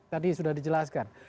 tadi sudah dijelaskan